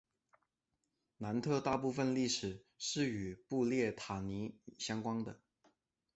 南特大部分历史是与布列塔尼相关的。